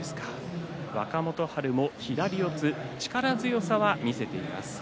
若元春も左四つ力強さを見せています。